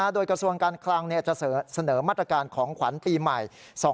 โดยกระทรวงการคลังจะเสนอมาตรการของขวัญปีใหม่๒๕๖